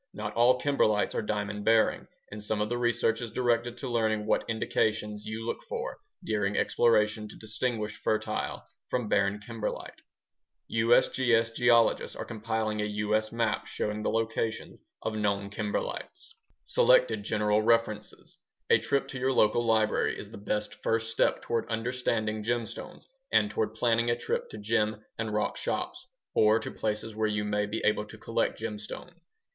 Not all kimberlites are diamond bearing, and some of the research is directed to learning what indications you look for during exploration to distinguish fertile from barren kimberlite. USGS geologists are compiling a U.S. map showing the locations of known kimberlites. Selected general references A trip to your local library is the best first step toward understanding gemstones and toward planning a trip to gem and rock shops or to places where you may be able to collect gemstones.